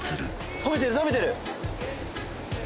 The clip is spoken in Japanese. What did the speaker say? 食べてる食べてる！